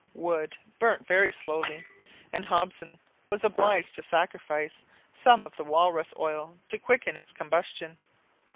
Wood burnt very slowly, and Hobson was obliged to sacrifice some of the walrus oil to quicken its combustion.